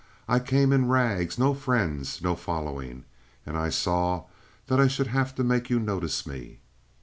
"I came in rags; no friends; no following. And I saw that I should have to make you notice me."